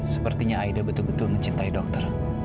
sepertinya aida betul betul mencintai dokter